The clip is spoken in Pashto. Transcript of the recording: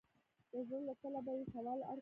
د زړه له تله به یې سوال اړ کړم.